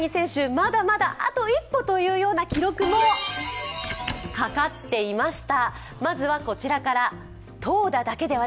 まだまだあと一歩という記録もかかっていました。